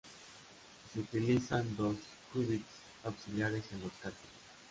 Se utilizan dos qubits auxiliares en los cálculos.